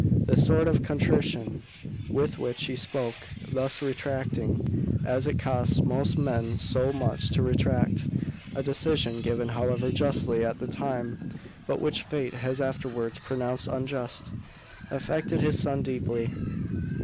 The sort of contrition with which he spoke thus retracting, as it costs most men so much to retract, a decision given however justly at the time, but which fate has afterwards pronounced unjust, affected his son deeply.